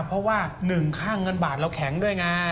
เพราะว่าหนึ่งค่าเงินบาทเราแข็งด้วยกัน